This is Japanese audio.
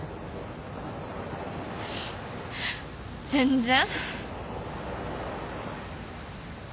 全然。